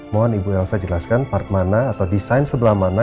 mohon ibu elsa jelaskan part mana atau desain sebelah mana